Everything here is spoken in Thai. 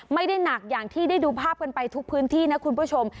ไม่ได้หนักอย่างที่ได้ดูภาพกันไปทุกพื้นที่นะคุณผู้ชม